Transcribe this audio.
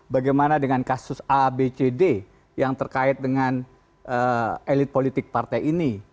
bagaimana dengan kasus abcd yang terkait dengan elit politik partai ini